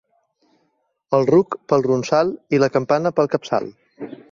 Al ruc, pel ronsal, i a la campana, pel capçal.